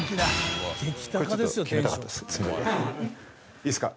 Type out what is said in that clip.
いいですか？